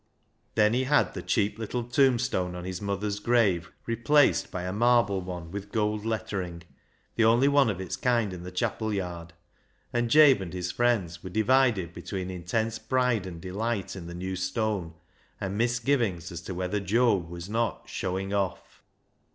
Then he had the cheap little tombstone on his mother's grave replaced by a marble one with gold lettering, the only one of its kind in the chapel yard, and Jabe and his friends were divided between intense pride and delight in the new stone, and misgivings as to whether Job was not " showing off."